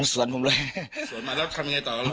สวนมาแล้วทำยังไงต่อ